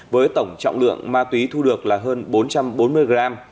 với tổng trọng lượng ma túy thu được là hơn bốn trăm bốn mươi gram